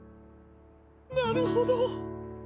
なるほど。